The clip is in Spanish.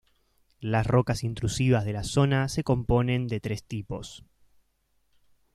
Las rocas intrusivas de la zona se componen de tres tipos:.